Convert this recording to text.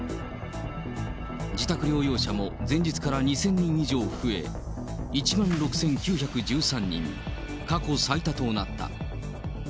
自宅療養者も前日から２０００人以上増え、１万６９１３人、過去最多となった。